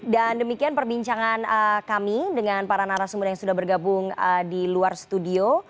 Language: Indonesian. demikian perbincangan kami dengan para narasumber yang sudah bergabung di luar studio